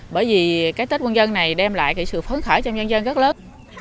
bởi vì cái tết quân dân này đem lại sự phấn khởi cho nhân dân rất lớn